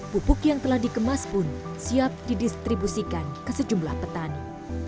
pupuk yang telah dikemas pun siap didistribusikan ke sejumlah petani